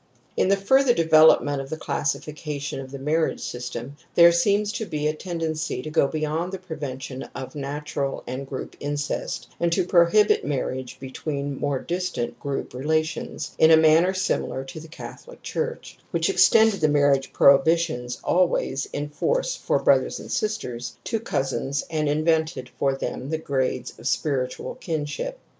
In the further development of the classifica tion of the marriage system there seems to be a tendency to go beyond the prevention of natural and group incest, and to prohibit marriage be tween more distant group relations, in a manner similar to the Catholic church, which extended the marriage prohibitions always in force for brother and sisters, to cousins, and invented for them the grades of spiritual kinship®.